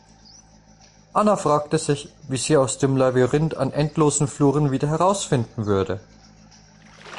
Anne fragte sich, wie sie aus dem Labyrinth an endlosen Fluren wieder herausfinden würde.